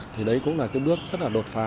thì đấy cũng là bước rất đột phá